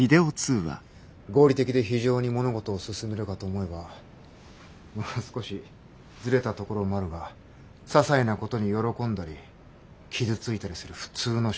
合理的で非情に物事を進めるかと思えばまあ少しずれたところもあるがささいなことに喜んだり傷ついたりする普通の少年でもある。